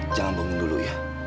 jangan bangun dulu ya